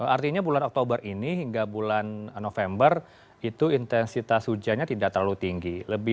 artinya bulan oktober ini hingga bulan november itu intensitas hujannya tidak terlalu tinggi